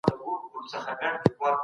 روحیه باید تل مثبته وي.